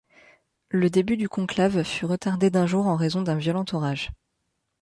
Le début du conclave fut retardé d'un jour en raison d'un violent orage.